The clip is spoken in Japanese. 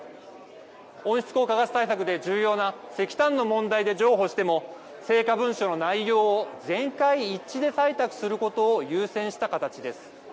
温室効果ガス対策で重要な石炭の問題で譲歩しても、成果文書の内容を全会一致で採択することを優先した形です。